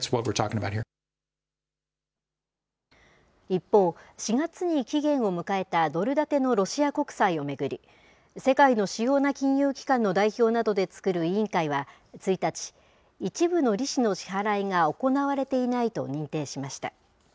一方、４月に期限を迎えたドル建てのロシア国債を巡り、世界の主要な金融機関の代表などで作る委員会は１日、一部の利子の支払いが行われていないと認定しました。